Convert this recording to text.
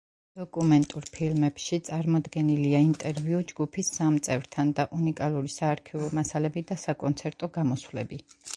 დოკუმენტურ ფილმებში წარმოდგენილია ინტერვიუ ჯგუფის სამ წევრთან და უნიკალური საარქივო მასალები და საკონცერტო გამოსვლები.